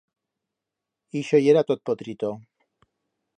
Ixo yera tot potrito.